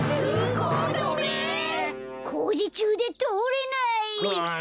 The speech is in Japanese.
こうじちゅうでとおれない！くっ！